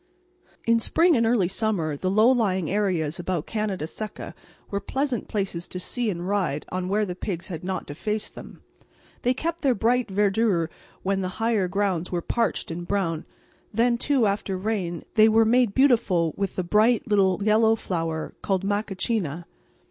In spring and early summer the low lying areas about Canada Seca were pleasant places to see and ride on where the pigs had not defaced them: they kept their bright verdure when the higher grounds were parched and brown; then too, after rain, they were made beautiful with the bright little yellow flower called macachina.